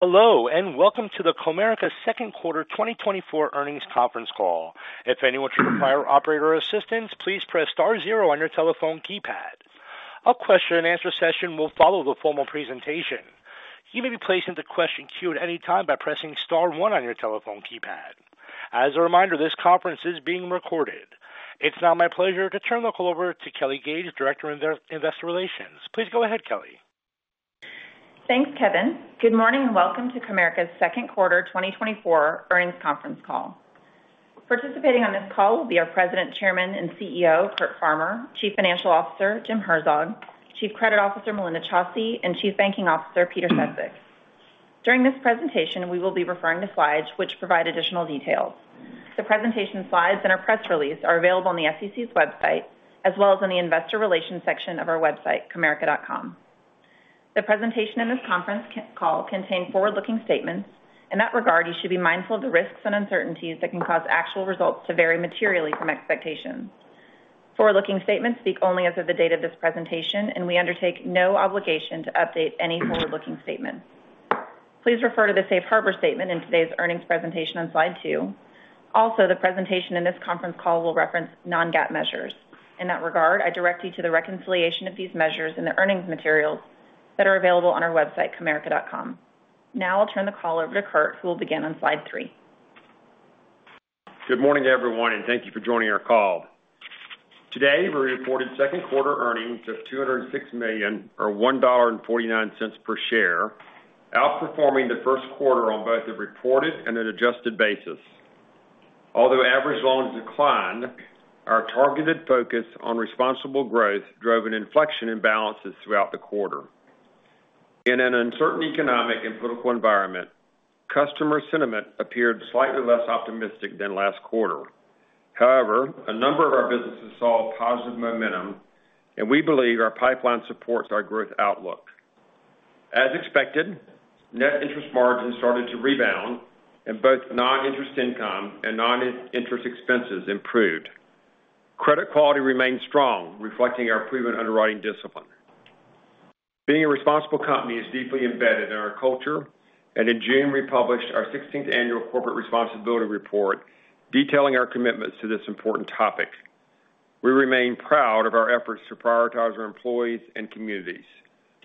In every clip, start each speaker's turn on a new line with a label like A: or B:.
A: Hello, and welcome to the Comerica Second Quarter 2024 Earnings Conference Call. If anyone should require operator assistance, please press star zero on your telephone keypad. A question-and-answer session will follow the formal presentation. You may be placed into question queue at any time by pressing star one on your telephone keypad. As a reminder, this conference is being recorded. It's now my pleasure to turn the call over to Kelly Gage, Director of Investor Relations. Please go ahead, Kelly.
B: Thanks, Kevin. Good morning and welcome to Comerica's second quarter 2024 earnings conference call. Participating on this call will be our President, Chairman, and CEO, Curt Farmer, Chief Financial Officer, Jim Herzog, Chief Credit Officer, Melinda Chausse, and Chief Banking Officer, Peter Sefzik. During this presentation, we will be referring to slides which provide additional details. The presentation slides and our press release are available on the SEC's website as well as on the Investor Relations section of our website, comerica.com. The presentation in this conference call contains forward-looking statements. In that regard, you should be mindful of the risks and uncertainties that can cause actual results to vary materially from expectations. Forward-looking statements speak only as of the date of this presentation, and we undertake no obligation to update any forward-looking statements. Please refer to the Safe Harbor statement in today's earnings presentation on slide two. Also, the presentation in this conference call will reference non-GAAP measures. In that regard, I direct you to the reconciliation of these measures in the earnings materials that are available on our website, comerica.com. Now I'll turn the call over to Curt, who will begin on slide 3.
C: Good morning, everyone, and thank you for joining our call. Today, we reported second quarter earnings of $206 million, or $1.49 per share, outperforming the first quarter on both a reported and an adjusted basis. Although average loans declined, our targeted focus on responsible growth drove an inflection in balances throughout the quarter. In an uncertain economic and political environment, customer sentiment appeared slightly less optimistic than last quarter. However, a number of our businesses saw positive momentum, and we believe our pipeline supports our growth outlook. As expected, net interest margins started to rebound, and both non-interest income and non-interest expenses improved. Credit quality remained strong, reflecting our proven underwriting discipline. Being a responsible company is deeply embedded in our culture, and in June, we published our 16th Annual Corporate Responsibility Report detailing our commitments to this important topic. We remain proud of our efforts to prioritize our employees and communities.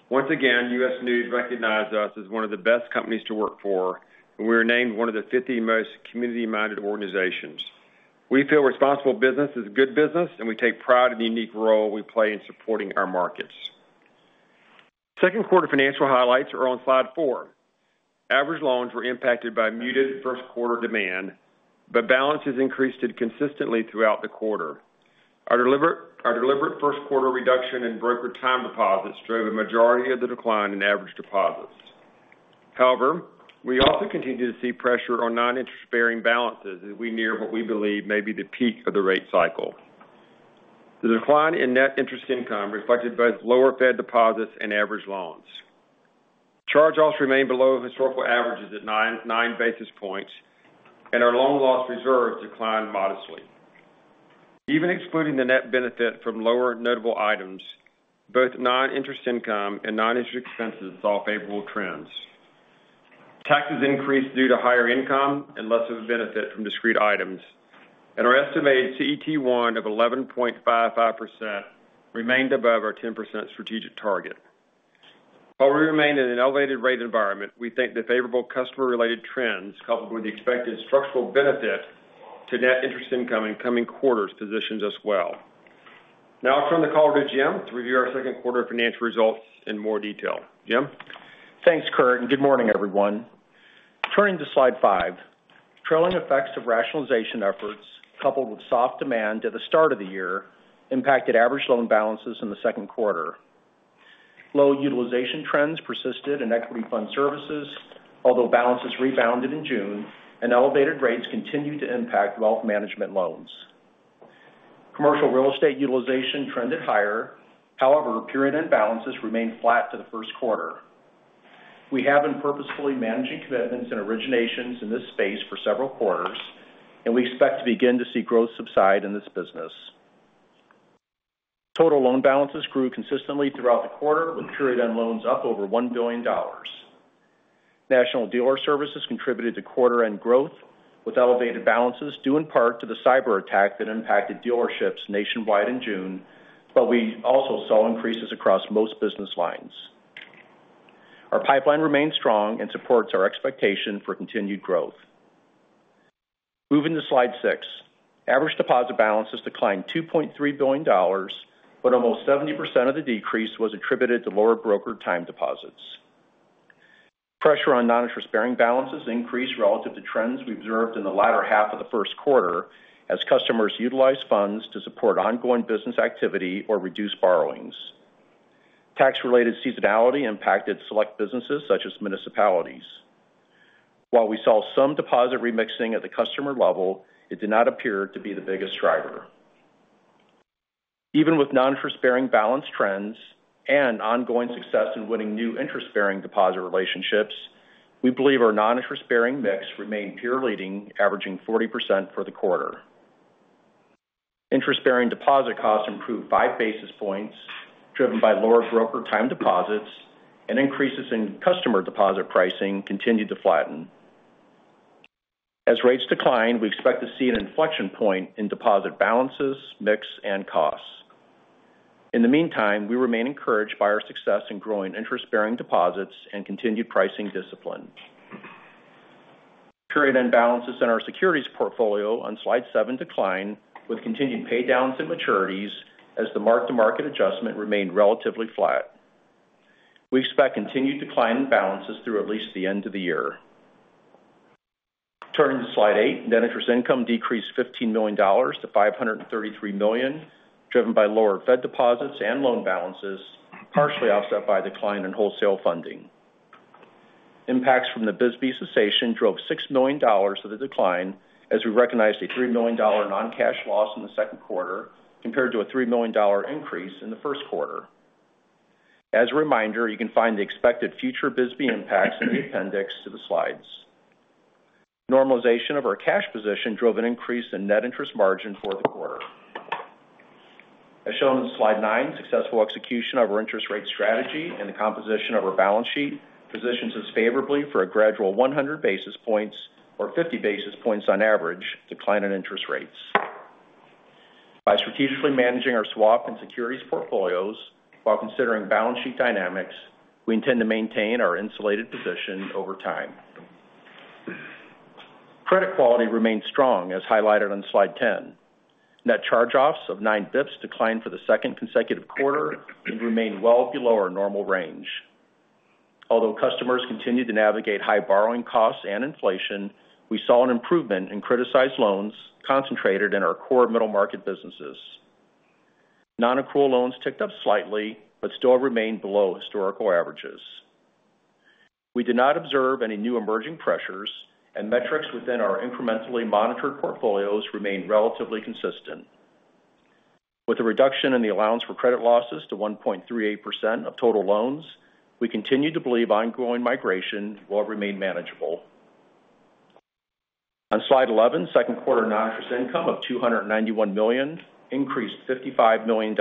C: Once again, U.S. News recognized us as one of the best companies to work for, and we were named one of the 50 most community-minded organizations. We feel responsible business is good business, and we take pride in the unique role we play in supporting our markets. Second quarter financial highlights are on slide four. Average loans were impacted by muted first quarter demand, but balances increased consistently throughout the quarter. Our deliberate first quarter reduction in broker time deposits drove a majority of the decline in average deposits. However, we also continue to see pressure on non-interest-bearing balances as we near what we believe may be the peak of the rate cycle. The decline in net interest income reflected both lower Fed deposits and average loans. Charge-offs remain below historical averages at 9 basis points, and our loan loss reserves declined modestly. Even excluding the net benefit from lower notable items, both non-interest income and non-interest expenses saw favorable trends. Taxes increased due to higher income and less of a benefit from discrete items, and our estimated CET1 of 11.55% remained above our 10% strategic target. While we remain in an elevated rate environment, we think the favorable customer-related trends, coupled with the expected structural benefit to net interest income in coming quarters, positions us well. Now I'll turn the call over to Jim to review our second quarter financial results in more detail. Jim?
D: Thanks, Curt. Good morning, everyone. Turning to slide five, trailing effects of rationalization efforts coupled with soft demand at the start of the year impacted average loan balances in the second quarter. Low utilization trends persisted in Equity Fund Services, although balances rebounded in June, and elevated rates continued to impact Wealth Management loans. Commercial Real Estate utilization trended higher. However, period end balances remained flat for the first quarter. We have been purposefully managing commitments and originations in this space for several quarters, and we expect to begin to see growth subside in this business. Total loan balances grew consistently throughout the quarter, with period end loans up over $1 billion. National Dealer Services contributed to quarter-end growth with elevated balances due in part to the cyber attack that impacted dealerships nationwide in June, but we also saw increases across most business lines. Our pipeline remained strong and supports our expectation for continued growth. Moving to slide 6, average deposit balances declined $2.3 billion, but almost 70% of the decrease was attributed to lower broker time deposits. Pressure on non-interest-bearing balances increased relative to trends we observed in the latter half of the first quarter as customers utilized funds to support ongoing business activity or reduce borrowings. Tax-related seasonality impacted select businesses such as municipalities. While we saw some deposit remixing at the customer level, it did not appear to be the biggest driver. Even with non-interest-bearing balance trends and ongoing success in winning new interest-bearing deposit relationships, we believe our non-interest-bearing mix remained peer-leading, averaging 40% for the quarter. Interest-bearing deposit costs improved 5 basis points, driven by lower broker time deposits, and increases in customer deposit pricing continued to flatten. As rates decline, we expect to see an inflection point in deposit balances, mix, and costs. In the meantime, we remain encouraged by our success in growing interest-bearing deposits and continued pricing discipline. Period end balances in our securities portfolio on slide seven declined with continued pay downs and maturities as the mark-to-market adjustment remained relatively flat. We expect continued decline in balances through at least the end of the year. Turning to slide eight, net interest income decreased $15 million to $533 million, driven by lower Fed deposits and loan balances, partially offset by decline in wholesale funding. Impacts from the BSBY cessation drove $6 million to the decline as we recognized a $3 million non-cash loss in the second quarter compared to a $3 million increase in the first quarter. As a reminder, you can find the expected future BSBY impacts in the appendix to the slides. Normalization of our cash position drove an increase in net interest margin for the quarter. As shown in slide 9, successful execution of our interest rate strategy and the composition of our balance sheet positions us favorably for a gradual 100 basis points or 50 basis points on average decline in interest rates. By strategically managing our swap and securities portfolios while considering balance sheet dynamics, we intend to maintain our insulated position over time. Credit quality remained strong as highlighted on slide 10. Net charge-offs of 9 bps declined for the second consecutive quarter and remained well below our normal range. Although customers continued to navigate high borrowing costs and inflation, we saw an improvement in criticized loans concentrated in our core middle market businesses. Non-accrual loans ticked up slightly but still remained below historical averages. We did not observe any new emerging pressures, and metrics within our incrementally monitored portfolios remained relatively consistent. With a reduction in the allowance for credit losses to 1.38% of total loans, we continue to believe ongoing migration will remain manageable. On slide 11, second quarter non-interest income of $291 million increased $55 million.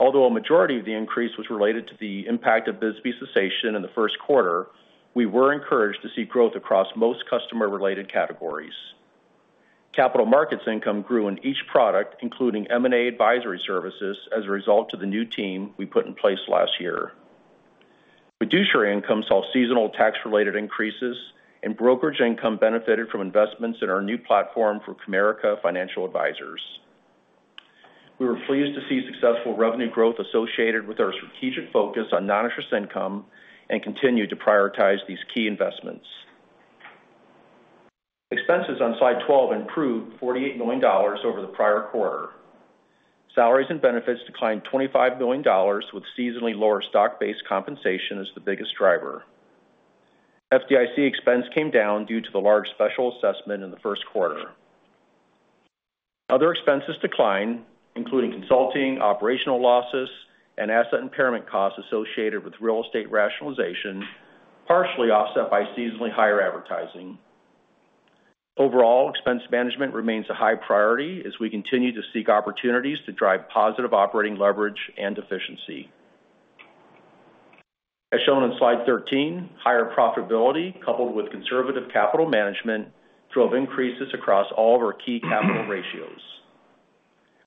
D: Although a majority of the increase was related to the impact of BSBY cessation in the first quarter, we were encouraged to see growth across most customer-related categories. Capital markets income grew in each product, including M&A advisory services, as a result of the new team we put in place last year. Fiduciary income saw seasonal tax-related increases, and brokerage income benefited from investments in our new platform for Comerica Financial Advisors. We were pleased to see successful revenue growth associated with our strategic focus on non-interest income and continued to prioritize these key investments. Expenses on slide 12 improved $48 million over the prior quarter. Salaries and benefits declined $25 million with seasonally lower stock-based compensation as the biggest driver. FDIC expense came down due to the large special assessment in the first quarter. Other expenses declined, including consulting, operational losses, and asset impairment costs associated with real estate rationalization, partially offset by seasonally higher advertising. Overall, expense management remains a high priority as we continue to seek opportunities to drive positive operating leverage and efficiency. As shown on slide 13, higher profitability coupled with conservative capital management drove increases across all of our key capital ratios.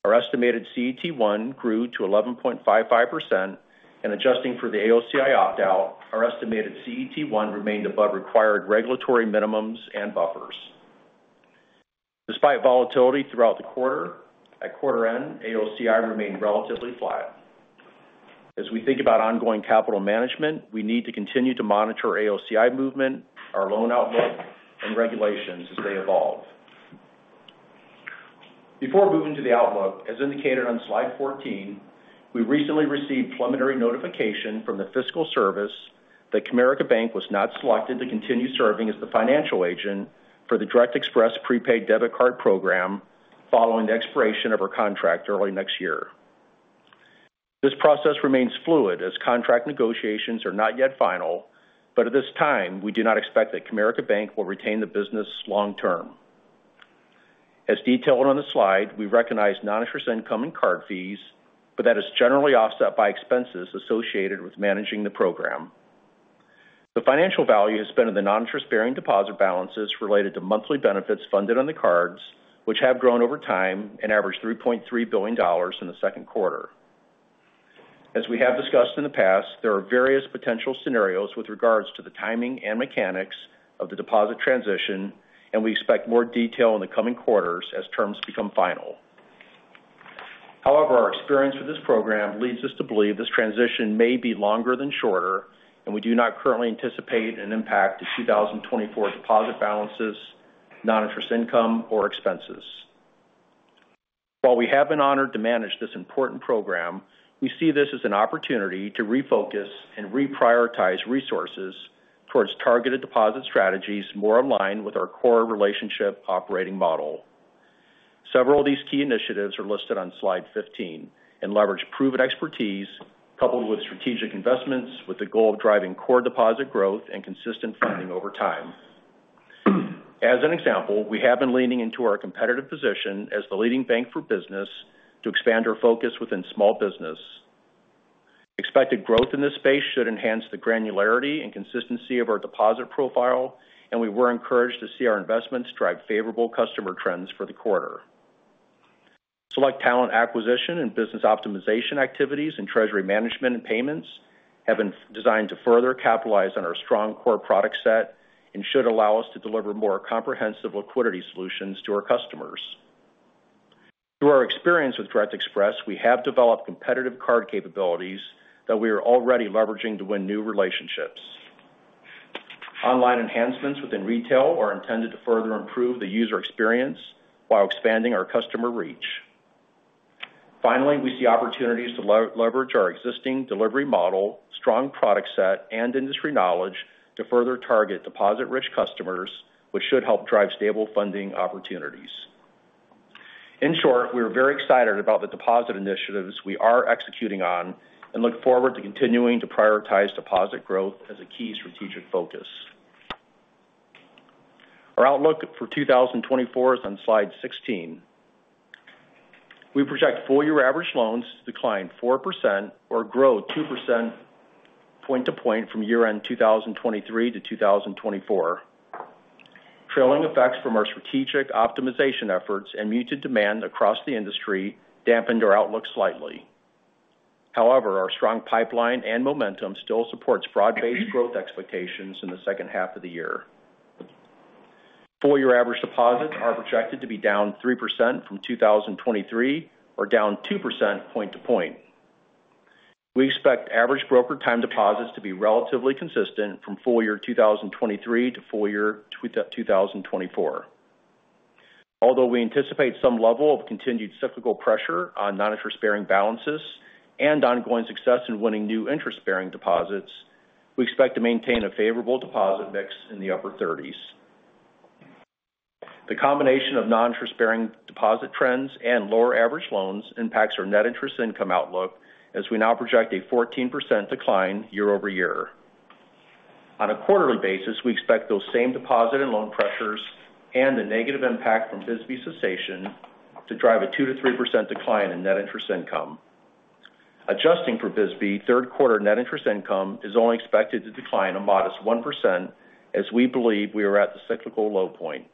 D: Our estimated CET1 grew to 11.55%, and adjusting for the AOCI opt-out, our estimated CET1 remained above required regulatory minimums and buffers. Despite volatility throughout the quarter, at quarter end, AOCI remained relatively flat. As we think about ongoing capital management, we need to continue to monitor AOCI movement, our loan outlook, and regulations as they evolve. Before moving to the outlook, as indicated on slide 14, we recently received preliminary notification from the Fiscal Service that Comerica Bank was not selected to continue serving as the financial agent for the Direct Express Prepaid Debit Card program following the expiration of our contract early next year. This process remains fluid as contract negotiations are not yet final, but at this time, we do not expect that Comerica Bank will retain the business long term. As detailed on the slide, we recognize non-interest income and card fees, but that is generally offset by expenses associated with managing the program. The financial value has been in the non-interest-bearing deposit balances related to monthly benefits funded on the cards, which have grown over time and averaged $3.3 billion in the second quarter. As we have discussed in the past, there are various potential scenarios with regards to the timing and mechanics of the deposit transition, and we expect more detail in the coming quarters as terms become final. However, our experience with this program leads us to believe this transition may be longer than shorter, and we do not currently anticipate an impact to 2024 deposit balances, non-interest income, or expenses. While we have been honored to manage this important program, we see this as an opportunity to refocus and reprioritize resources towards targeted deposit strategies more aligned with our core relationship operating model. Several of these key initiatives are listed on slide 15 and leverage proven expertise coupled with strategic investments with the goal of driving core deposit growth and consistent funding over time. As an example, we have been leaning into our competitive position as the leading bank for business to expand our focus within small business. Expected growth in this space should enhance the granularity and consistency of our deposit profile, and we were encouraged to see our investments drive favorable customer trends for the quarter. Select talent acquisition and business optimization activities in treasury management and payments have been designed to further capitalize on our strong core product set and should allow us to deliver more comprehensive liquidity solutions to our customers. Through our experience with Direct Express, we have developed competitive card capabilities that we are already leveraging to win new relationships. Online enhancements within retail are intended to further improve the user experience while expanding our customer reach. Finally, we see opportunities to leverage our existing delivery model, strong product set, and industry knowledge to further target deposit-rich customers, which should help drive stable funding opportunities. In short, we are very excited about the deposit initiatives we are executing on and look forward to continuing to prioritize deposit growth as a key strategic focus. Our outlook for 2024 is on slide 16. We project full-year average loans to decline 4% or grow 2% point-to-point from year-end 2023 to 2024. Trailing effects from our strategic optimization efforts and muted demand across the industry dampened our outlook slightly. However, our strong pipeline and momentum still supports broad-based growth expectations in the second half of the year. Full-year average deposits are projected to be down 3% from 2023 or down 2% point-to-point. We expect average broker time deposits to be relatively consistent from full-year 2023 to full-year 2024. Although we anticipate some level of continued cyclical pressure on non-interest-bearing balances and ongoing success in winning new interest-bearing deposits, we expect to maintain a favorable deposit mix in the upper 30s. The combination of non-interest-bearing deposit trends and lower average loans impacts our net interest income outlook as we now project a 14% decline year-over-year. On a quarterly basis, we expect those same deposit and loan pressures and the negative impact from BSBY cessation to drive a 2%-3% decline in net interest income. Adjusting for BSBY, third quarter net interest income is only expected to decline a modest 1% as we believe we are at the cyclical low point.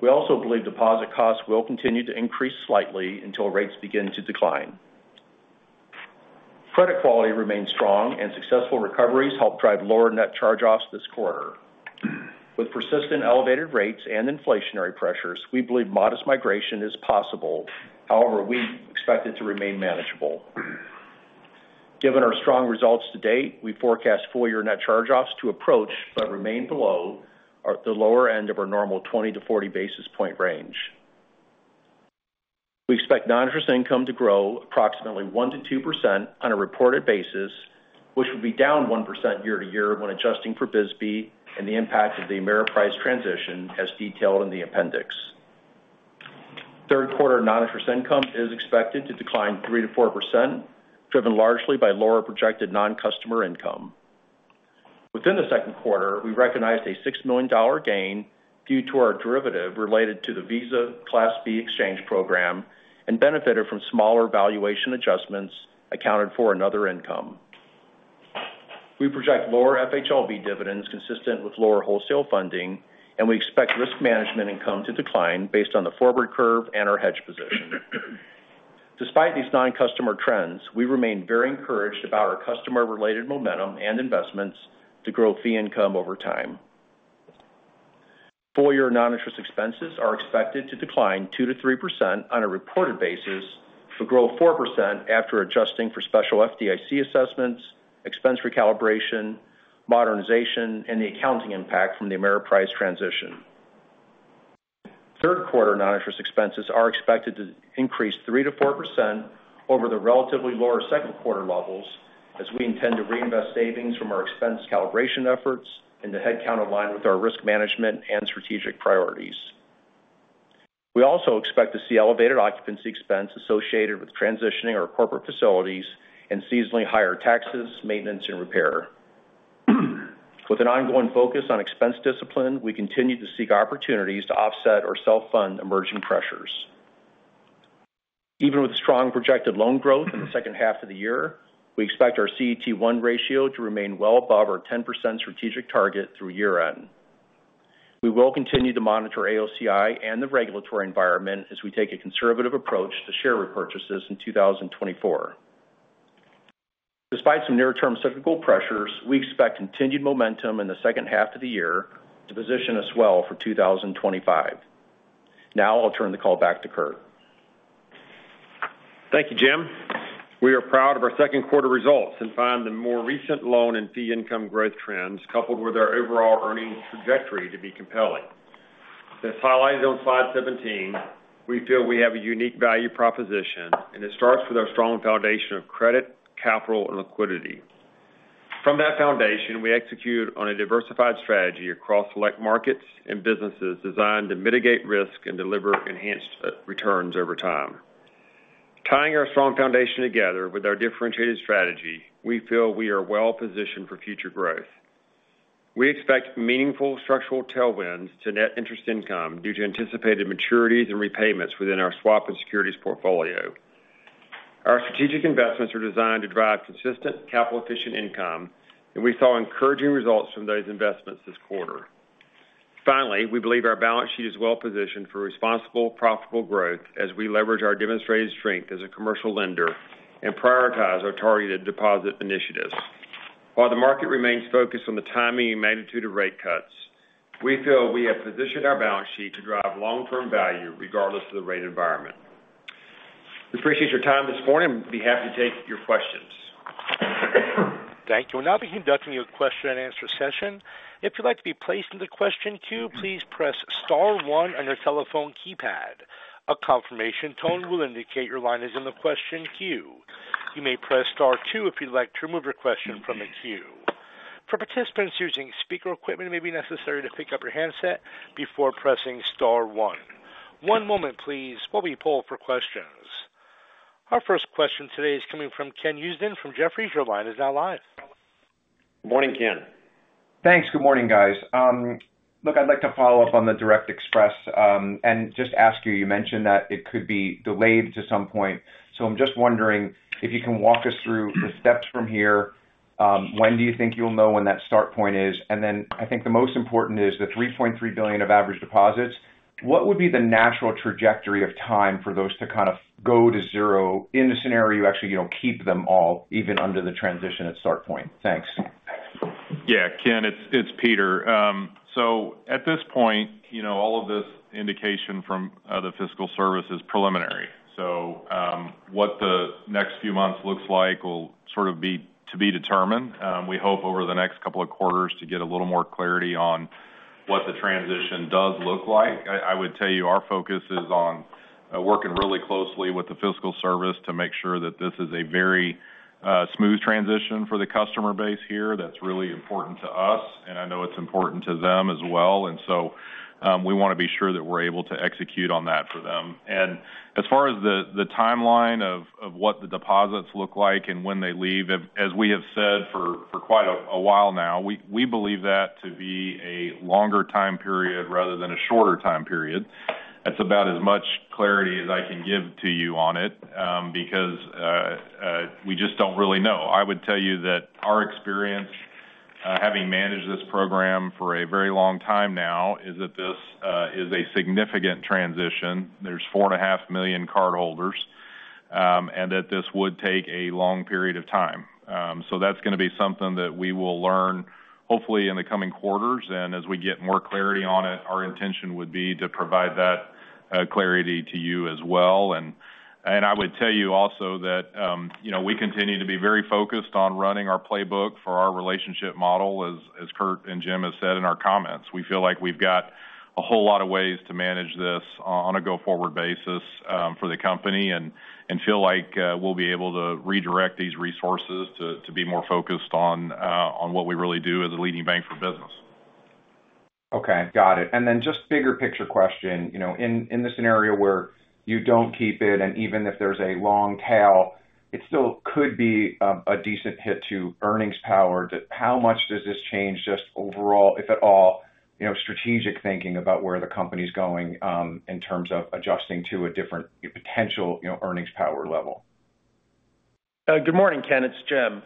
D: We also believe deposit costs will continue to increase slightly until rates begin to decline. Credit quality remains strong, and successful recoveries help drive lower net charge-offs this quarter. With persistent elevated rates and inflationary pressures, we believe modest migration is possible, however, we expect it to remain manageable. Given our strong results to date, we forecast full-year net charge-offs to approach but remain below the lower end of our normal 20-40 basis point range. We expect non-interest income to grow approximately 1%-2% on a reported basis, which would be down 1% year-over-year when adjusting for BSBY and the impact of the Ameriprise transition as detailed in the appendix. Third quarter non-interest income is expected to decline 3%-4%, driven largely by lower projected non-customer income. Within the second quarter, we recognized a $6 million gain due to our derivative related to the Visa Class B exchange program and benefited from smaller valuation adjustments accounted for other income. We project lower FHLB dividends consistent with lower wholesale funding, and we expect risk management income to decline based on the forward curve and our hedge position. Despite these non-customer trends, we remain very encouraged about our customer-related momentum and investments to grow fee income over time. Four-year non-interest expenses are expected to decline 2%-3% on a reported basis but grow 4% after adjusting for special FDIC assessments, expense recalibration, modernization, and the accounting impact from the Ameriprise transition. Third quarter non-interest expenses are expected to increase 3%-4% over the relatively lower second quarter levels as we intend to reinvest savings from our expense calibration efforts and to headcount align with our risk management and strategic priorities. We also expect to see elevated occupancy expense associated with transitioning our corporate facilities and seasonally higher taxes, maintenance, and repair. With an ongoing focus on expense discipline, we continue to seek opportunities to offset or self-fund emerging pressures. Even with strong projected loan growth in the second half of the year, we expect our CET1 ratio to remain well above our 10% strategic target through year-end. We will continue to monitor AOCI and the regulatory environment as we take a conservative approach to share repurchases in 2024. Despite some near-term cyclical pressures, we expect continued momentum in the second half of the year to position us well for 2025. Now I'll turn the call back to Curt.
C: Thank you, Jim. We are proud of our second quarter results and find the more recent loan and fee income growth trends coupled with our overall earnings trajectory to be compelling. As highlighted on slide 17, we feel we have a unique value proposition, and it starts with our strong foundation of credit, capital, and liquidity. From that foundation, we execute on a diversified strategy across select markets and businesses designed to mitigate risk and deliver enhanced returns over time. Tying our strong foundation together with our differentiated strategy, we feel we are well positioned for future growth. We expect meaningful structural tailwinds to net interest income due to anticipated maturities and repayments within our swap and securities portfolio. Our strategic investments are designed to drive consistent capital-efficient income, and we saw encouraging results from those investments this quarter. Finally, we believe our balance sheet is well positioned for responsible, profitable growth as we leverage our demonstrated strength as a commercial lender and prioritize our targeted deposit initiatives. While the market remains focused on the timing and magnitude of rate cuts, we feel we have positioned our balance sheet to drive long-term value regardless of the rate environment. We appreciate your time this morning, and we'd be happy to take your questions.
A: Thank you. We'll now be conducting a question-and-answer session. If you'd like to be placed in the question queue, please press star one on your telephone keypad. A confirmation tone will indicate your line is in the question queue. You may press star two if you'd like to remove your question from the queue. For participants using speaker equipment, it may be necessary to pick up your handset before pressing star one. One moment, please, while we poll for questions. Our first question today is coming from Ken Usdin from Jefferies. Your line is now live.
C: Good morning, Ken.
E: Thanks. Good morning, guys. Look, I'd like to follow up on the Direct Express and just ask you. You mentioned that it could be delayed to some point, so I'm just wondering if you can walk us through the steps from here. When do you think you'll know when that start point is? And then I think the most important is the $3.3 billion of average deposits. What would be the natural trajectory of time for those to kind of go to zero in the scenario you actually keep them all even under the transition at start point? Thanks.
F: Yeah, Ken, it's Peter. So at this point, all of this indication from the Fiscal Service is preliminary. So what the next few months looks like will sort of be to be determined. We hope over the next couple of quarters to get a little more clarity on what the transition does look like. I would tell you our focus is on working really closely with the Fiscal Service to make sure that this is a very smooth transition for the customer base here. That's really important to us, and I know it's important to them as well. So we want to be sure that we're able to execute on that for them. As far as the timeline of what the deposits look like and when they leave, as we have said for quite a while now, we believe that to be a longer time period rather than a shorter time period. That's about as much clarity as I can give to you on it because we just don't really know. I would tell you that our experience having managed this program for a very long time now is that this is a significant transition. There's 4.5 million cardholders, and that this would take a long period of time. So that's going to be something that we will learn, hopefully, in the coming quarters. And as we get more clarity on it, our intention would be to provide that clarity to you as well. And I would tell you also that we continue to be very focused on running our playbook for our relationship model, as Curt and Jim have said in our comments. We feel like we've got a whole lot of ways to manage this on a go-forward basis for the company and feel like we'll be able to redirect these resources to be more focused on what we really do as a leading bank for business.
E: Okay. Got it. And then just bigger picture question. In the scenario where you don't keep it, and even if there's a long tail, it still could be a decent hit to earnings power. How much does this change just overall, if at all, strategic thinking about where the company's going in terms of adjusting to a different potential earnings power level?
D: Good morning, Ken. It's Jim.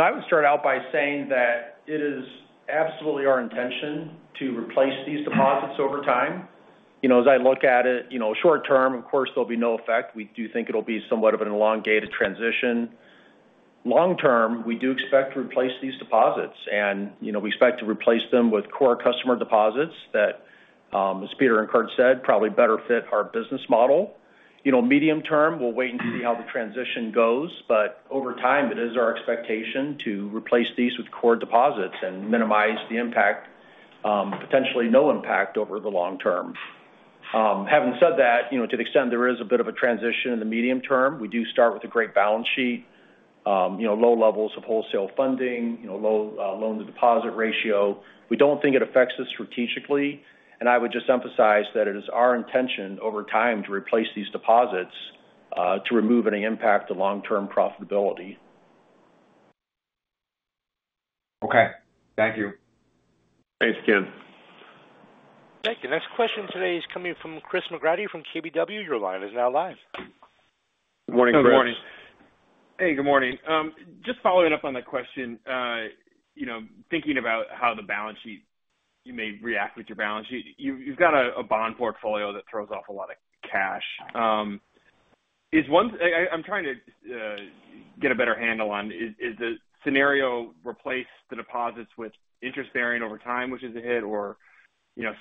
D: I would start out by saying that it is absolutely our intention to replace these deposits over time. As I look at it, short term, of course, there'll be no effect. We do think it'll be somewhat of an elongated transition. Long term, we do expect to replace these deposits, and we expect to replace them with core customer deposits that, as Peter and Curt said, probably better fit our business model. Medium term, we'll wait and see how the transition goes, but over time, it is our expectation to replace these with core deposits and minimize the impact, potentially no impact over the long term. Having said that, to the extent there is a bit of a transition in the medium term, we do start with a great balance sheet, low levels of wholesale funding, low loan-to-deposit ratio. We don't think it affects us strategically, and I would just emphasize that it is our intention over time to replace these deposits to remove any impact to long-term profitability.
E: Okay. Thank you.
C: Thanks, Ken.
A: Thank you. Next question today is coming from Chris McGratty from KBW. Your line is now live.
C: Good morning, Chriss.
G: Good morning. Hey, good morning. Just following up on the question, thinking about how the balance sheet you may react with your balance sheet. You've got a bond portfolio that throws off a lot of cash. I'm trying to get a better handle on, is the scenario replace the deposits with interest-bearing over time, which is a hit, or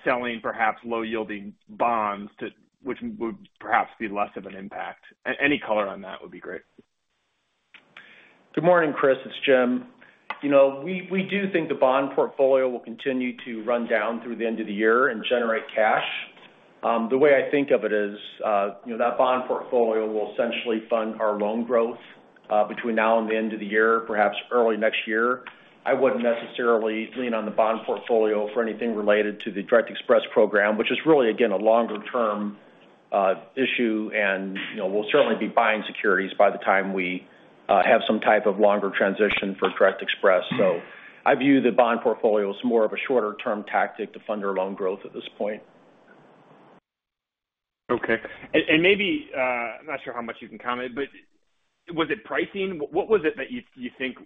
G: selling perhaps low-yielding bonds, which would perhaps be less of an impact? Any color on that would be great.
D: Good morning, Chris. It's Jim. We do think the bond portfolio will continue to run down through the end of the year and generate cash. The way I think of it is that bond portfolio will essentially fund our loan growth between now and the end of the year, perhaps early next year. I wouldn't necessarily lean on the bond portfolio for anything related to the Direct Express program, which is really, again, a longer-term issue, and we'll certainly be buying securities by the time we have some type of longer transition for Direct Express. So I view the bond portfolio as more of a shorter-term tactic to fund our loan growth at this point.
G: Okay. And maybe I'm not sure how much you can comment, but was it pricing? What was it that you think,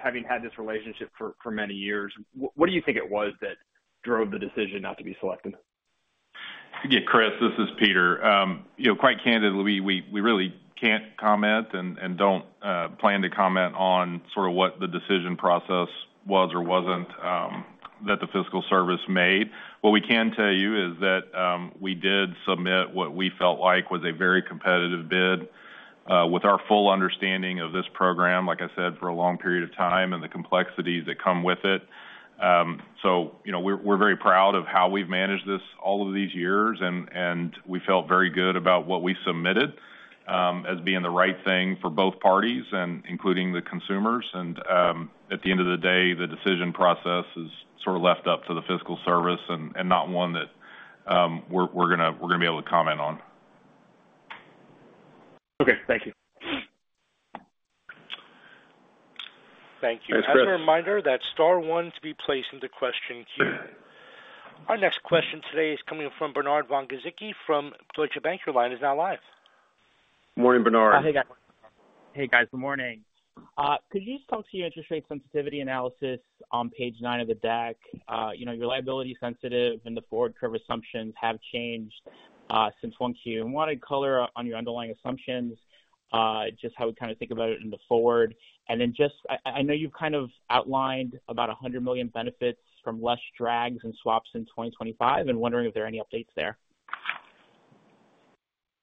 G: having had this relationship for many years, what do you think it was that drove the decision not to be selected?
F: Yeah, Chris, this is Peter. Quite candidly, we really can't comment and don't plan to comment on sort of what the decision process was or wasn't that the Fiscal Service made. What we can tell you is that we did submit what we felt like was a very competitive bid with our full understanding of this program, like I said, for a long period of time and the complexities that come with it. So we're very proud of how we've managed this all of these years, and we felt very good about what we submitted as being the right thing for both parties, including the consumers. And at the end of the day, the decision process is sort of left up to the Fiscal Service and not one that we're going to be able to comment on.
G: Okay. Thank you.
A: Thank you. As a reminder, that's star one to be placed in the question queue. Our next question today is coming from Bernard Von Gizycki from Deutsche Bank. Your line is now live.
C: Good morning, Bernard.
H: Hey, guys. Good morning. Could you talk to your interest rate sensitivity analysis on page 9 of the deck? Your liability sensitive and the forward curve assumptions have changed since Q1. And why don't you color on your underlying assumptions, just how we kind of think about it in the forward? And then just I know you've kind of outlined about $100 million benefits from less drags and swaps in 2025, and wondering if there are any updates there.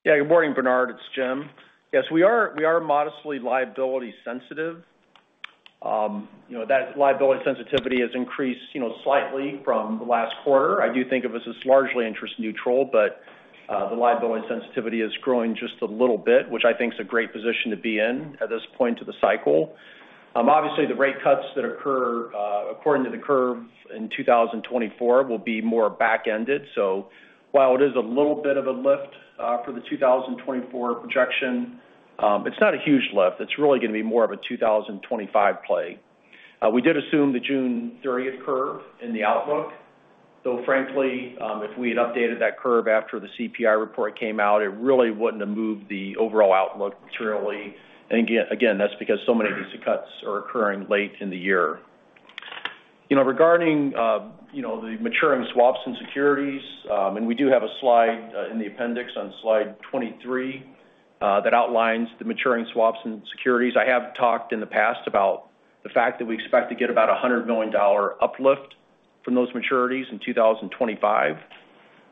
D: Yeah. Good morning, Bernard. It's Jim. Yes, we are modestly liability sensitive. That liability sensitivity has increased slightly from the last quarter. I do think of us as largely interest-neutral, but the liability sensitivity is growing just a little bit, which I think is a great position to be in at this point of the cycle. Obviously, the rate cuts that occur according to the curve in 2024 will be more back-ended. So while it is a little bit of a lift for the 2024 projection, it's not a huge lift. It's really going to be more of a 2025 play. We did assume the June 30th curve in the outlook, though frankly, if we had updated that curve after the CPI report came out, it really wouldn't have moved the overall outlook materially. And again, that's because so many of these cuts are occurring late in the year. Regarding the maturing swaps and securities, and we do have a slide in the appendix on slide 23 that outlines the maturing swaps and securities. I have talked in the past about the fact that we expect to get about a $100 million uplift from those maturities in 2025.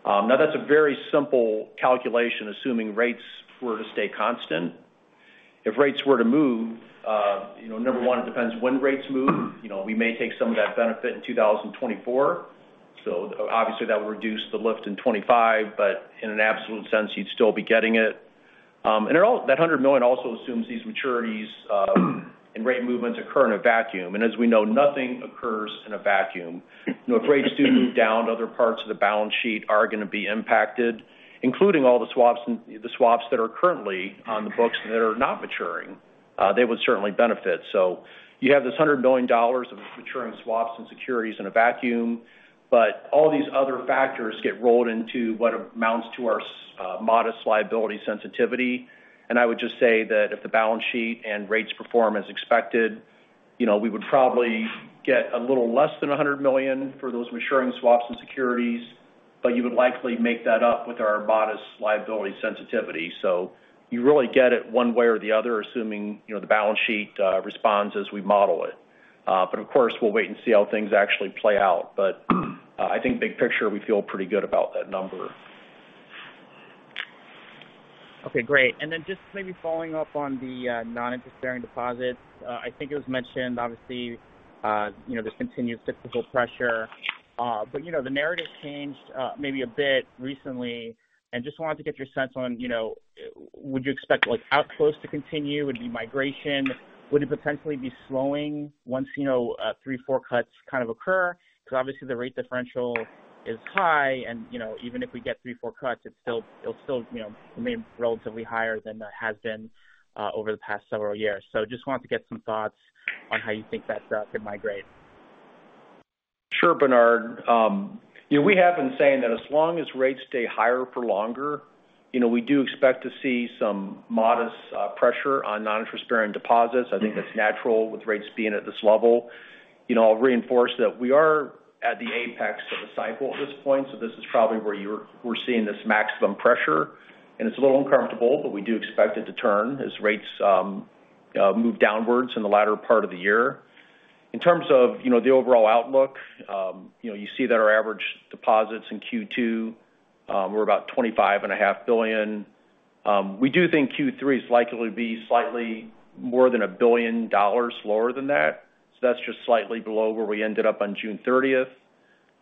D: Now, that's a very simple calculation assuming rates were to stay constant. If rates were to move, number one, it depends when rates move. We may take some of that benefit in 2024. So obviously, that would reduce the lift in 2025, but in an absolute sense, you'd still be getting it. And that $100 million also assumes these maturities and rate movements occur in a vacuum. And as we know, nothing occurs in a vacuum. If rates do move down, other parts of the balance sheet are going to be impacted, including all the swaps that are currently on the books that are not maturing. They would certainly benefit. So you have this $100 million of maturing swaps and securities in a vacuum, but all these other factors get rolled into what amounts to our modest liability sensitivity. I would just say that if the balance sheet and rates perform as expected, we would probably get a little less than $100 million for those maturing swaps and securities, but you would likely make that up with our modest liability sensitivity. So you really get it one way or the other assuming the balance sheet responds as we model it. But of course, we'll wait and see how things actually play out. But I think big picture, we feel pretty good about that number.
H: Okay. Great. And then just maybe following up on the non-interest-bearing deposits, I think it was mentioned, obviously, this continues to pull pressure. But the narrative changed maybe a bit recently, and just wanted to get your sense on, would you expect outflows to continue? Would it be migration? Would it potentially be slowing once 3, 4 cuts kind of occur? Because obviously, the rate differential is high, and even if we get 3, 4 cuts, it'll still remain relatively higher than it has been over the past several years. So just wanted to get some thoughts on how you think that could migrate.
D: Sure, Bernard. We have been saying that as long as rates stay higher for longer, we do expect to see some modest pressure on non-interest-bearing deposits. I think that's natural with rates being at this level. I'll reinforce that we are at the apex of the cycle at this point, so this is probably where we're seeing this maximum pressure. And it's a little uncomfortable, but we do expect it to turn as rates move downwards in the latter part of the year. In terms of the overall outlook, you see that our average deposits in Q2 were about $25.5 billion. We do think Q3 is likely to be slightly more than $1 billion lower than that. So that's just slightly below where we ended up on June 30th.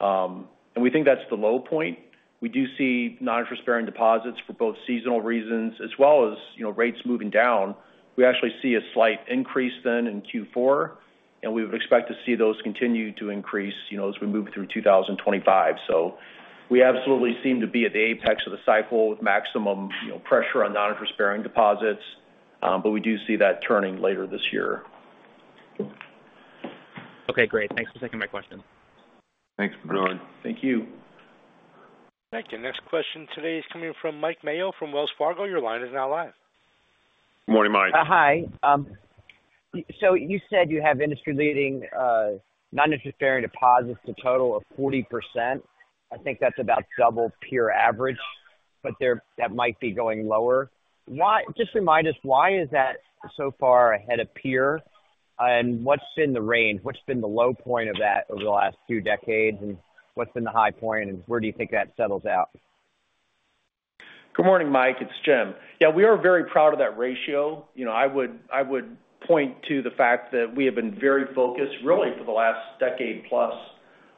D: And we think that's the low point. We do see non-interest-bearing deposits for both seasonal reasons as well as rates moving down. We actually see a slight increase then in Q4, and we would expect to see those continue to increase as we move through 2025. So we absolutely seem to be at the apex of the cycle with maximum pressure on non-interest-bearing deposits, but we do see that turning later this year.
H: Okay. Great. Thanks for taking my question.
C: Thanks, Bernard.
D: Thank you.
A: Thank you. Next question today is coming from Mike Mayo from Wells Fargo. Your line is now live.
C: Good morning, Mike.
I: Hi. So you said you have industry-leading non-interest-bearing deposits to a total of 40%. I think that's about double peer average, but that might be going lower. Just remind us, why is that so far ahead of peer? And what's been the range? What's been the low point of that over the last few decades? And what's been the high point? And where do you think that settles out?
D: Good morning, Mike. It's Jim. Yeah, we are very proud of that ratio. I would point to the fact that we have been very focused, really, for the last decade-plus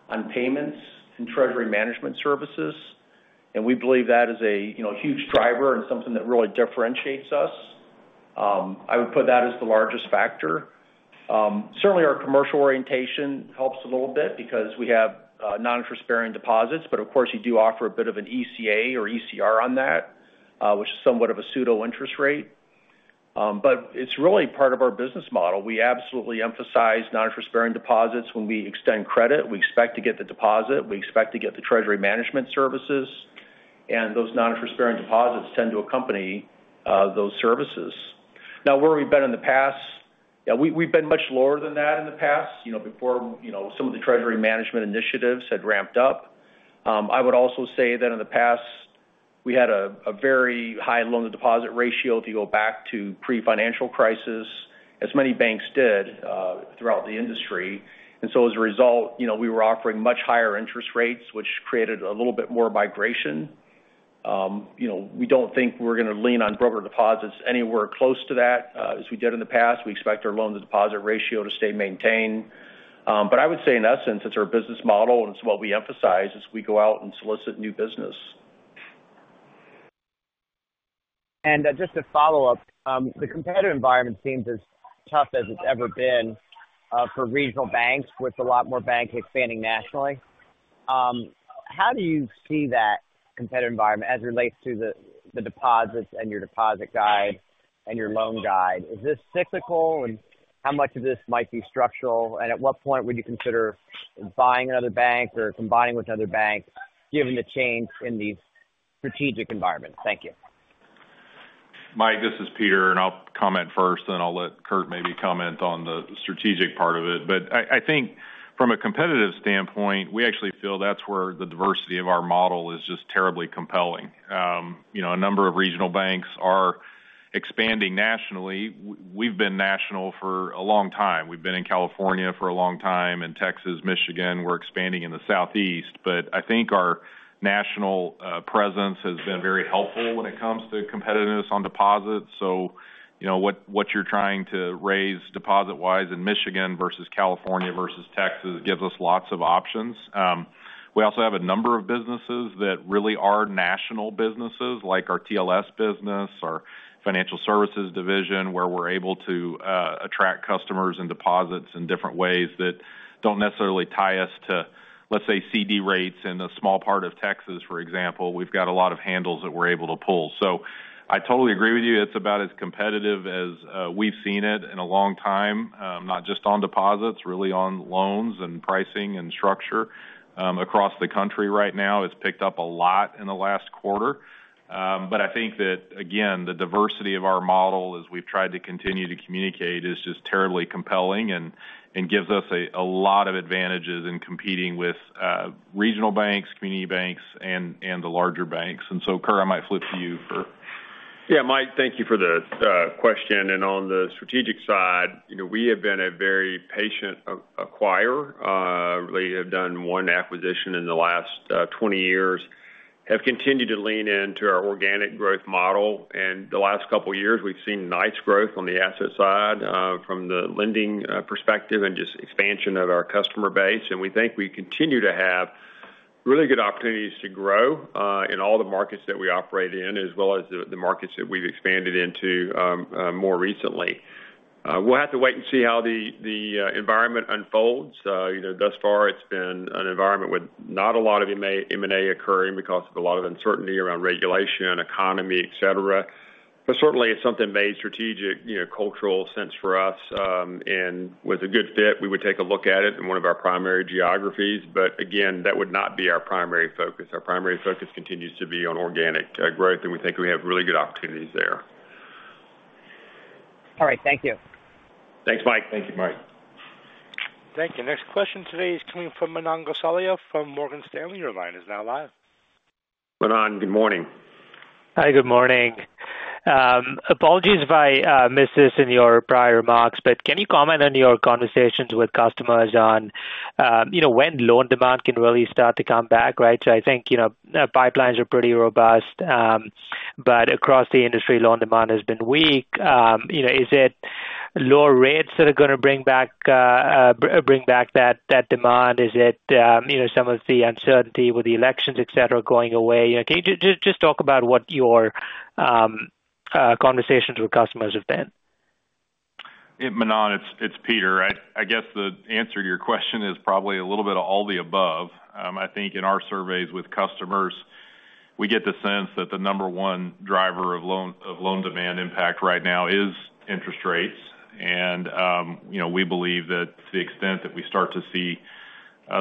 D: on payments and treasury management services. And we believe that is a huge driver and something that really differentiates us. I would put that as the largest factor. Certainly, our commercial orientation helps a little bit because we have non-interest-bearing deposits, but of course, you do offer a bit of an ECA or ECR on that, which is somewhat of a pseudo interest rate. But it's really part of our business model. We absolutely emphasize non-interest-bearing deposits when we extend credit. We expect to get the deposit. We expect to get the treasury management services. And those non-interest-bearing deposits tend to accompany those services. Now, where we've been in the past, yeah, we've been much lower than that in the past before some of the treasury management initiatives had ramped up. I would also say that in the past, we had a very high loan-to-deposit ratio if you go back to pre-financial crisis, as many banks did throughout the industry. And so as a result, we were offering much higher interest rates, which created a little bit more migration. We don't think we're going to lean on broker deposits anywhere close to that as we did in the past. We expect our loan-to-deposit ratio to stay maintained. But I would say, in essence, it's our business model, and it's what we emphasize as we go out and solicit new business.
I: And just to follow up, the competitive environment seems as tough as it's ever been for regional banks with a lot more banks expanding nationally. How do you see that competitive environment as it relates to the deposits and your deposit guide and your loan guide? Is this cyclical? And how much of this might be structural? And at what point would you consider buying another bank or combining with another bank given the change in these strategic environments? Thank you.
F: Mike, this is Peter, and I'll comment first, and I'll let Curt maybe comment on the strategic part of it. But I think from a competitive standpoint, we actually feel that's where the diversity of our model is just terribly compelling. A number of regional banks are expanding nationally. We've been national for a long time. We've been in California for a long time, and Texas, Michigan, we're expanding in the Southeast. But I think our national presence has been very helpful when it comes to competitiveness on deposits. So what you're trying to raise deposit-wise in Michigan versus California versus Texas gives us lots of options. We also have a number of businesses that really are national businesses, like our TLS business, our Financial Services Division, where we're able to attract customers and deposits in different ways that don't necessarily tie us to, let's say, CD rates in a small part of Texas, for example. We've got a lot of handles that we're able to pull. So I totally agree with you. It's about as competitive as we've seen it in a long time, not just on deposits, really on loans and pricing and structure across the country right now. It's picked up a lot in the last quarter. But I think that, again, the diversity of our model, as we've tried to continue to communicate, is just terribly compelling and gives us a lot of advantages in competing with regional banks, community banks, and the larger banks. And so, Curt, I might flip to you for.
C: Yeah, Mike, thank you for the question. And on the strategic side, we have been a very patient acquirer. We have done one acquisition in the last 20 years, have continued to lean into our organic growth model. And the last couple of years, we've seen nice growth on the asset side from the lending perspective and just expansion of our customer base. And we think we continue to have really good opportunities to grow in all the markets that we operate in, as well as the markets that we've expanded into more recently. We'll have to wait and see how the environment unfolds. Thus far, it's been an environment with not a lot of M&A occurring because of a lot of uncertainty around regulation, economy, etc. But certainly, it's something made strategic, cultural sense for us. And with a good fit, we would take a look at it in one of our primary geographies. But again, that would not be our primary focus. Our primary focus continues to be on organic growth, and we think we have really good opportunities there.
I: All right. Thank you.
C: Thanks, Mike.
F: Thank you, Mike.
A: Thank you. Next question today is coming from Manan Gosalia from Morgan Stanley. Your line is now live.
C: Manan, good morning.
J: Hi, good morning. Apologies if I missed this in your prior remarks, but can you comment on your conversations with customers on when loan demand can really start to come back, right? So I think pipelines are pretty robust, but across the industry, loan demand has been weak. Is it lower rates that are going to bring back that demand? Is it some of the uncertainty with the elections, etc., going away? Can you just talk about what your conversations with customers have been?
F: Yeah, Bernard, it's Peter. I guess the answer to your question is probably a little bit of all the above. I think in our surveys with customers, we get the sense that the number one driver of loan demand impact right now is interest rates. We believe that to the extent that we start to see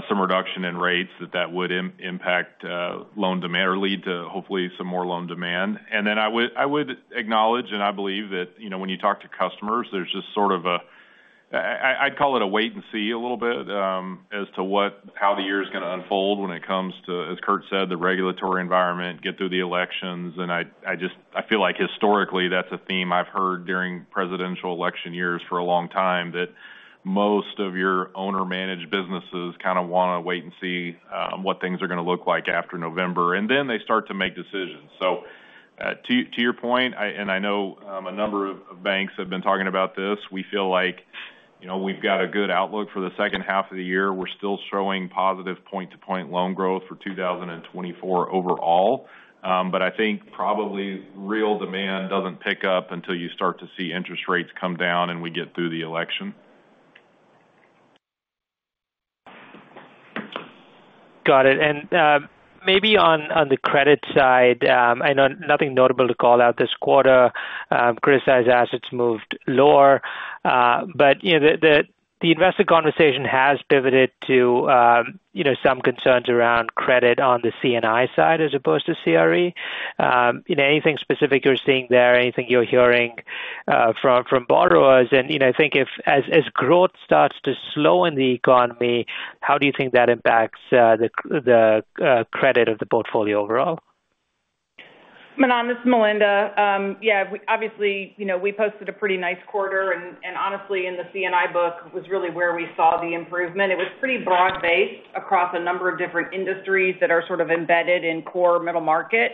F: some reduction in rates, that that would impact loan demand or lead to hopefully some more loan demand. And then I would acknowledge and I believe that when you talk to customers, there's just sort of a, I'd call it a wait and see a little bit as to how the year is going to unfold when it comes to, as Curt said, the regulatory environment, get through the elections. And I feel like historically, that's a theme I've heard during presidential election years for a long time, that most of your owner-managed businesses kind of want to wait and see what things are going to look like after November, and then they start to make decisions. So to your point, and I know a number of banks have been talking about this, we feel like we've got a good outlook for the second half of the year. We're still showing positive point-to-point loan growth for 2024 overall. But I think probably real demand doesn't pick up until you start to see interest rates come down and we get through the election.
J: Got it. And maybe on the credit side, I know nothing notable to call out this quarter. Curt says assets moved lower. But the investor conversation has pivoted to some concerns around credit on the C&I side as opposed to CRE. Anything specific you're seeing there? Anything you're hearing from borrowers? And I think if growth starts to slow in the economy, how do you think that impacts the credit of the portfolio overall?
K: Bernard, this is Melinda. Yeah, obviously, we posted a pretty nice quarter. Honestly, in the C&I book, it was really where we saw the improvement. It was pretty broad-based across a number of different industries that are sort of embedded in core middle market.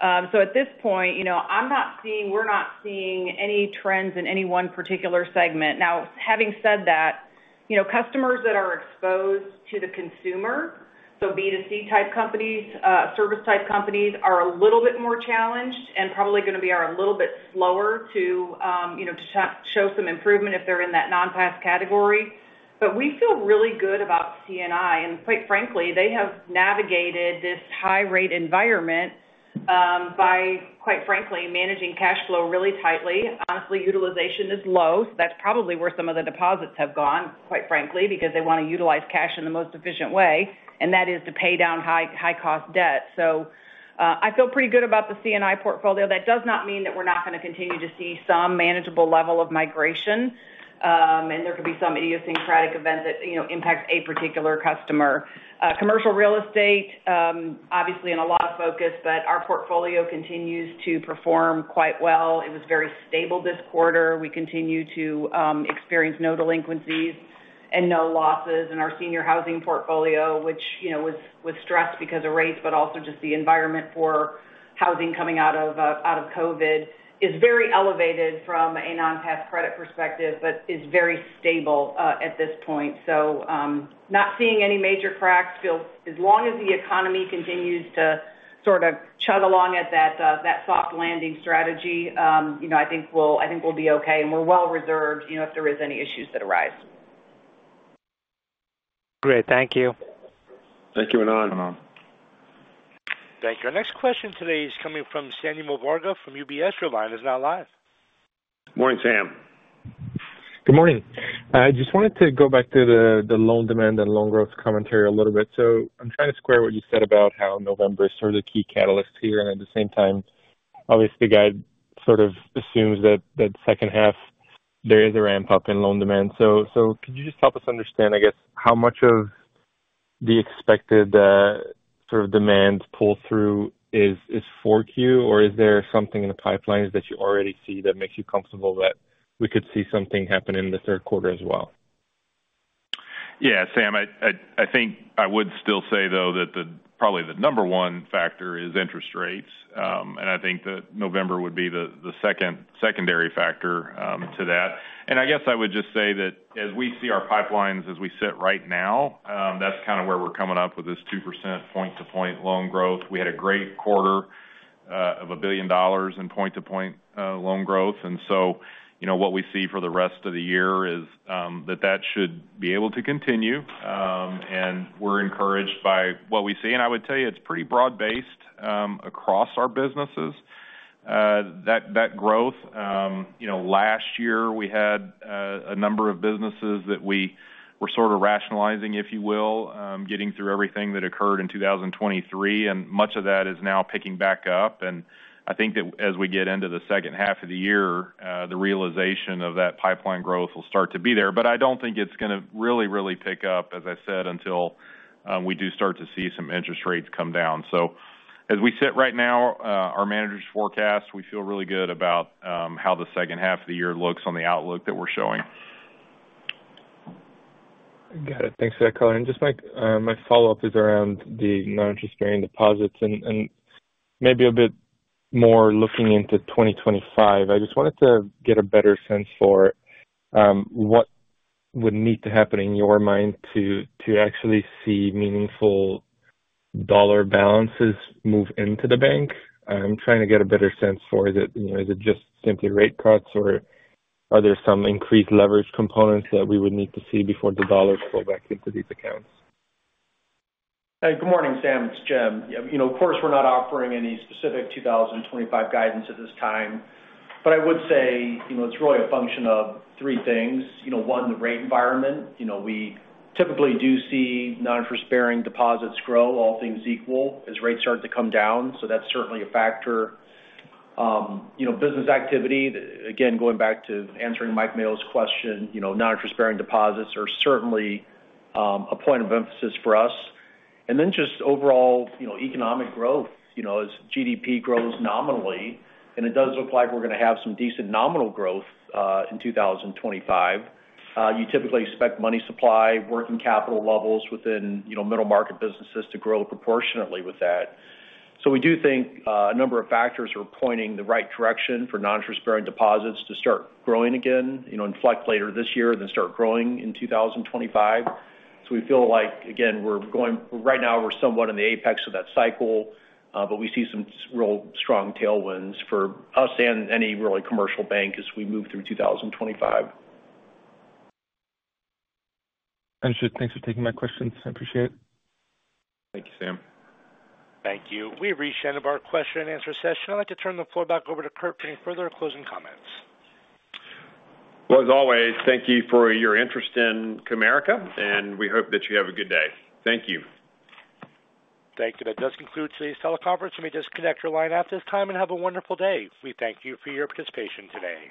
K: So at this point, we're not seeing any trends in any one particular segment. Now, having said that, customers that are exposed to the consumer, so B2C-type companies, service-type companies, are a little bit more challenged and probably going to be a little bit slower to show some improvement if they're in that non-pass category. But we feel really good about C&I. And quite frankly, they have navigated this high-rate environment by, quite frankly, managing cash flow really tightly. Honestly, utilization is low. That's probably where some of the deposits have gone, quite frankly, because they want to utilize cash in the most efficient way. That is to pay down high-cost debt. So I feel pretty good about the C&I portfolio. That does not mean that we're not going to continue to see some manageable level of migration. And there could be some idiosyncratic event that impacts a particular customer. Commercial real estate, obviously, is in a lot of focus, but our portfolio continues to perform quite well. It was very stable this quarter. We continue to experience no delinquencies and no losses. And our senior housing portfolio, which was stressed because of rates, but also just the environment for housing coming out of COVID, is very elevated from a non-pass credit perspective but is very stable at this point. So, not seeing any major cracks, as long as the economy continues to sort of chug along at that soft landing strategy, I think we'll be okay. We're well reserved if there are any issues that arise.
J: Great. Thank you.
C: Thank you, Bernard.
A: Thank you. Our next question today is coming from Samuel Varga from UBS line. Is now live.
L: Morning, Sam. Good morning. I just wanted to go back to the loan demand and loan growth commentary a little bit. So I'm trying to square what you said about how November is sort of the key catalyst here. And at the same time, obviously, the guide sort of assumes that the second half, there is a ramp-up in loan demand. So could you just help us understand, I guess, how much of the expected sort of demand pull-through is for Q, or is there something in the pipeline that you already see that makes you comfortable that we could see something happen in the third quarter as well?
F: Yeah, Sam, I think I would still say, though, that probably the number one factor is interest rates. I think that November would be the secondary factor to that. I guess I would just say that as we see our pipelines, as we sit right now, that's kind of where we're coming up with this 2% point-to-point loan growth. We had a great $250 million in point-to-point loan growth. What we see for the rest of the year is that that should be able to continue. We're encouraged by what we see. I would tell you it's pretty broad-based across our businesses, that growth. Last year, we had a number of businesses that we were sort of rationalizing, if you will, getting through everything that occurred in 2023. Much of that is now picking back up. I think that as we get into the second half of the year, the realization of that pipeline growth will start to be there. But I don't think it's going to really, really pick up, as I said, until we do start to see some interest rates come down. So as we sit right now, our managers forecast, we feel really good about how the second half of the year looks on the outlook that we're showing.
L: Got it. Thanks for that color. And just my follow-up is around the non-interest-bearing deposits and maybe a bit more looking into 2025. I just wanted to get a better sense for what would need to happen in your mind to actually see meaningful dollar balances move into the bank. I'm trying to get a better sense for is it just simply rate cuts, or are there some increased leverage components that we would need to see before the dollars flow back into these accounts?
D: Hey, good morning, Sam. It's Jim. Of course, we're not offering any specific 2025 guidance at this time. But I would say it's really a function of three things. One, the rate environment. We typically do see non-interest-bearing deposits grow, all things equal, as rates start to come down. So that's certainly a factor. Business activity, again, going back to answering Mike Mayo's question, non-interest-bearing deposits are certainly a point of emphasis for us. And then just overall economic growth. As GDP grows nominally, and it does look like we're going to have some decent nominal growth in 2025, you typically expect money supply, working capital levels within middle market businesses to grow proportionately with that. So we do think a number of factors are pointing the right direction for non-interest-bearing deposits to start growing again, inflect later this year, then start growing in 2025. So we feel like, again, right now, we're somewhat in the apex of that cycle, but we see some real strong tailwinds for us and any really commercial bank as we move through 2025.
L: Understood. Thanks for taking my questions. I appreciate it.
C: Thank you, Sam.
A: Thank you. We've reached the end of our question-and-answer session. I'd like to turn the floor back over to Curt for any further closing comments.
C: Well, as always, thank you for your interest in Comerica, and we hope that you have a good day. Thank you.
A: Thank you. That does conclude today's teleconference. Let me just connect your line at this time and have a wonderful day. We thank you for your participation today.